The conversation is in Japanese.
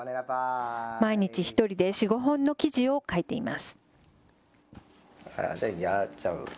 毎日１人で４、５本の記事を書いています。